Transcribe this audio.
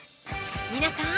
皆さん